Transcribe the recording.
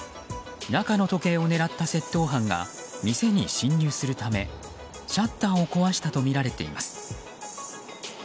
中の時計を狙った窃盗犯が店に侵入するためシャッターを壊したとみられています。